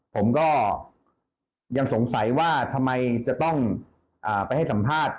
ผมก็ยังสงสัยว่าทำไมจะต้องไปให้สัมภาษณ์